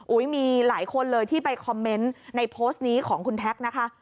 มีหลายคนเลยที่ไปคอมเมนต์ในโพสต์นี้ของคุณแท็กนะคะ